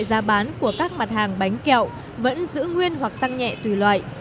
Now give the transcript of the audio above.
giá bán của các mặt hàng bánh kẹo vẫn giữ nguyên hoặc tăng nhẹ tùy loại